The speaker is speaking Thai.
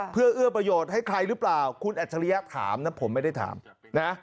เพื่อเอื้อประโยชน์ให้ใครหรือเปล่าคุณอัจฉริยะถามนะผมไม่ได้ถามนะ